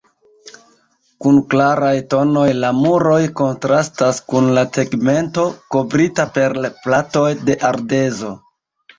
Kun klaraj tonoj, la muroj kontrastas kun la tegmento, kovrita per platoj de ardezo.